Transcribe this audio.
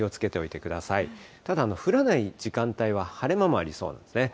ただ、降らない時間帯は晴れ間もありそうなんですね。